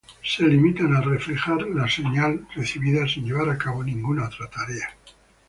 Se limitan a reflejar la señal recibida sin llevar a cabo ninguna otra tarea.